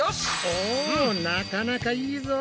おなかなかいいぞ！